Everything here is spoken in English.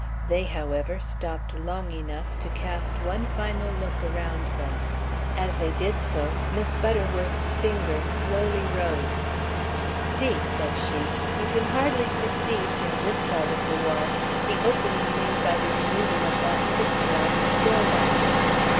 They, however, stopped long enough to cast one final look around them. As they did so Miss Butterworth's finger slowly rose. "See!" said she, "you can hardly perceive from this side of the wall the opening made by the removal of that picture on the stair landing.